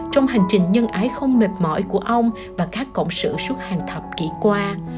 trong hành trình nhân ái không mệt mỏi của ông và các cộng sự suốt hàng thập kỷ qua